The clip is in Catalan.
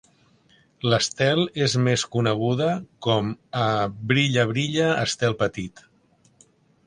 "L'Estel" és més coneguda com a "Brilla Brilla Estel Petit".